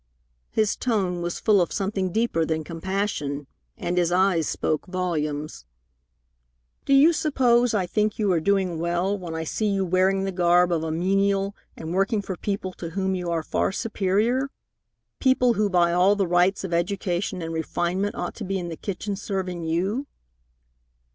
His tone was full of something deeper than compassion, and his eyes spoke volumes. "Do you suppose I think you are doing well when I see you wearing the garb of a menial and working for people to whom you are far superior people who by all the rights of education and refinement ought to be in the kitchen serving you?"